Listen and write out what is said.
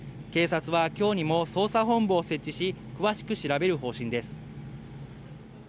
警察が今日にも捜査本部を設置し詳しく調べる方針です。